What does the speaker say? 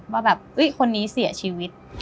ว่าแบบคนนี้เสียชีวิต